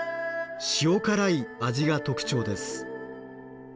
塩辛い味が特徴です。